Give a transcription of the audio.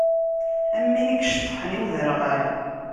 Am win i yeceṭṭḥen i uderɣal.